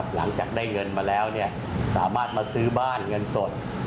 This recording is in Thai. หลังจากได้เงินมาแล้วเนี่ยสามารถมาซื้อบ้านเงินสด